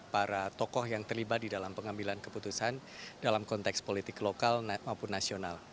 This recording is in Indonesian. para tokoh yang terlibat di dalam pengambilan keputusan dalam konteks politik lokal maupun nasional